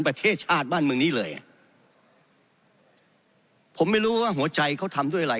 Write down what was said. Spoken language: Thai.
ประเทศชาติบ้านเมืองนี้เลยผมไม่รู้ว่าหัวใจเขาทำด้วยอะไร